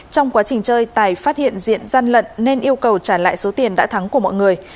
trong quá trình chơi tài phát hiện diện gian lận nên yêu cầu trả lại số tiền đã thắng của mọi người